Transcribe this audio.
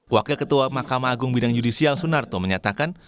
wakil ketua ma bidang yudisial sunarto menyatakan